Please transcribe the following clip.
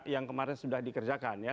yang kemarin sudah dikerjakan ya